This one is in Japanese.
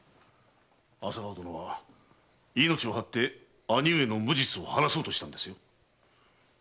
朝顔殿は命を張って義兄上の無実を晴らそうとしたのですよ。